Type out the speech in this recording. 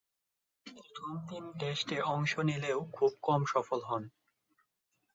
প্রথম তিন টেস্টে অংশ নিলেও খুব কম সফল হন।